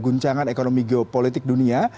guncangan ekonomi geopolitik dunia